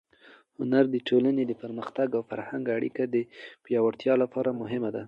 هنر د ټولنې د پرمختګ او فرهنګي اړیکو د پیاوړتیا لپاره مهم دی.